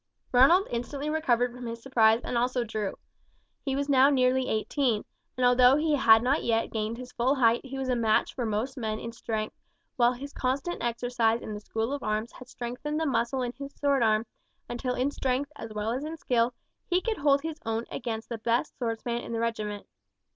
Ronald instantly recovered from his surprise and also drew. He was now nearly eighteen, and although he had not yet gained his full height he was a match for most men in strength, while his constant exercise in the school of arms had strengthened the muscle of his sword arm, until in strength as well as in skill he could hold his own against the best swordsman in the regiment.